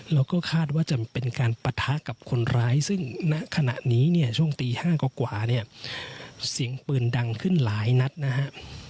แล้วก็คาดว่าจะเป็นการปะทะกับคนร้ายซึ่งณขณะนี้เนี่ยช่วงตี๕กว่าเนี่ยเสียงปืนดังขึ้นหลายนัดนะฮะ